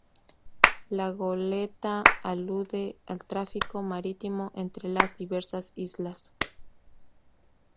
La goleta alude al tráfico marítimo entre las diversas islas.